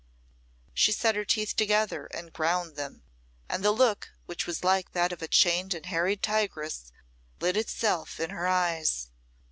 She set her teeth together, and ground them, and the look, which was like that of a chained and harried tigress, lit itself in her eyes.